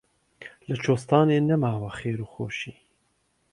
لە کوێستانی نەماوە خێر و خۆشی